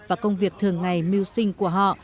và công việc thường ngày mưu sinh của họ